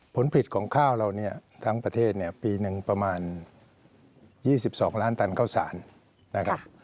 ผลผลิตของข้าวเราเนี่ยทั้งประเทศเนี่ยปีหนึ่งประมาณ๒๒ล้านตันข้าวสารนะครับ